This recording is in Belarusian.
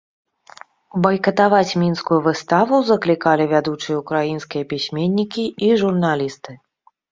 Байкатаваць мінскую выставу заклікалі вядучыя ўкраінскія пісьменнікі і журналісты.